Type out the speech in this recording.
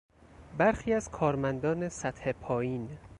برخی از کارمندان سطح پایین